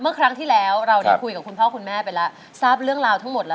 ครั้งที่แล้วเราได้คุยกับคุณพ่อคุณแม่ไปแล้วทราบเรื่องราวทั้งหมดแล้ว